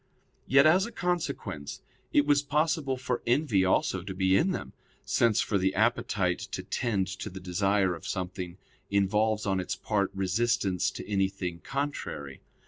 Yet, as a consequence, it was possible for envy also to be in them, since for the appetite to tend to the desire of something involves on its part resistance to anything contrary.